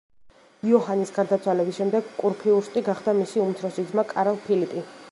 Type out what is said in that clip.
იოჰანის გარდაცვალების შემდეგ კურფიურსტი გახდა მისი უმცროსი ძმა კარლ ფილიპი.